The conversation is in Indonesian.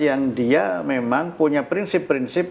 yang dia memang punya prinsip prinsip